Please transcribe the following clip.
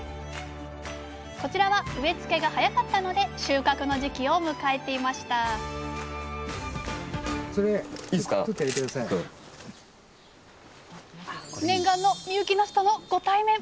こちらは植え付けが早かったので収穫の時期を迎えていました念願の深雪なすとのご対面！